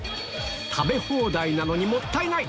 食べ放題なのにもったいない！